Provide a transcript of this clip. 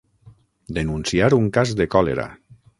Denunciar un cas de còlera.